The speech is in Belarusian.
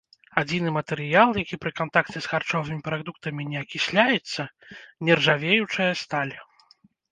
Адзіны матэрыял, які пры кантакце з харчовымі прадуктамі не акісляецца --нержавеючая сталь.